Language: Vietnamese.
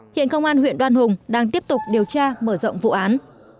hiện công an huyện đoan hùng đang tiếp tục điều tra mở rộng vụ án